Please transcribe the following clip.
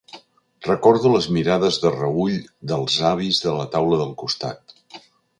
Recordo les mirades de reüll dels avis de la taula del costat.